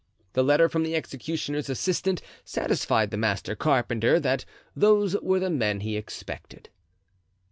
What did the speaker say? The letter from the executioner's assistant satisfied the master carpenter that those were the men he expected.